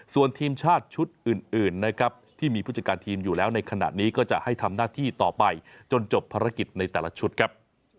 ส่วนทีมชาติชุดอื่นนะครับที่มีผู้จัดการทีมอยู่แล้วในขณะนี้ก็จะให้ทำหน้าที่ต่อไปจนจบภารกิจในแต่ละชุดครับ